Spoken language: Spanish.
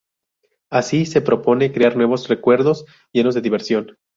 Así, se propone crear nuevos recuerdos llenos de diversión.